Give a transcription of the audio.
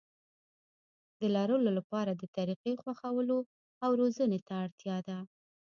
د لرلو لپاره د طريقې خوښولو او روزنې ته اړتيا ده.